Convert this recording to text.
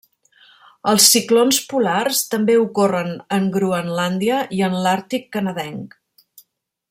Els ciclons polars també ocorren en Groenlàndia i en l'Àrtic canadenc.